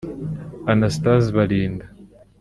Anastase Balinda